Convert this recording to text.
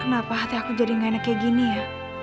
kenapa hati aku jadi gak enak kayak gini ya